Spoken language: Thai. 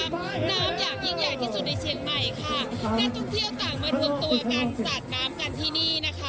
น้ำอย่างยิ่งใหญ่ที่สุดในเชียงใหม่และโทษายกันมาทุกตัวการสาดน้ำกันที่นี่นะคะ